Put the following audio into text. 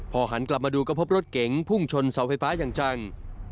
พอหันกลับมาดูก็พบรถเก๋งพุ่งชนเสาไฟฟ้าอย่างจัง